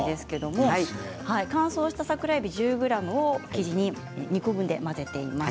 乾燥した桜えび１０ｇを生地に練り込んで混ぜています。